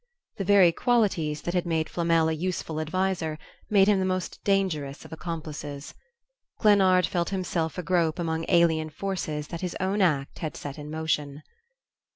The very qualities that had made Flamel a useful adviser made him the most dangerous of accomplices. Glennard felt himself agrope among alien forces that his own act had set in motion....